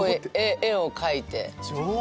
絵を描いて。